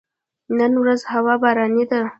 نن ورځ هوا باراني ده